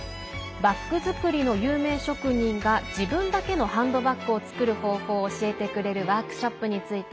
バッグ作りの有名職人が自分だけのハンドバッグを作る方法を教えてくれるワークショップについて